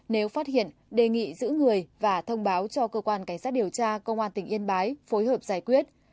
nếu phát hiện đề nghị giữ người và thông báo cho cơ quan cảnh sát điều tra công an tỉnh yên bái phối hợp giải quyết